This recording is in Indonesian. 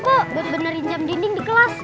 bener bener injam dinding di kelas